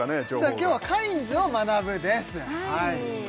今日はカインズを学ぶです